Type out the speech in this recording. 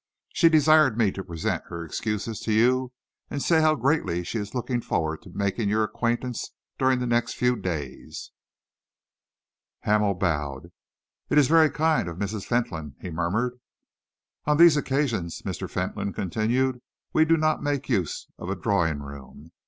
She desired me to present her excuses to you and say how greatly she is looking forward to making your acquaintance during the next few days." Hamel bowed. "It is very kind of Mrs. Fentolin," he murmured. "On these occasions," Mr. Fentolin continued, "we do not make use of a drawing room.